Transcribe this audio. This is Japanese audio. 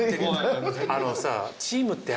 あのさ。